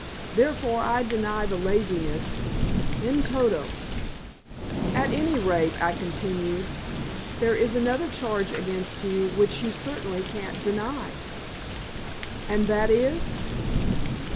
Therefore I deny the laziness in toto." "At any rate," I continued, "there is another charge against you, which you certainly can't deny." "And that is?"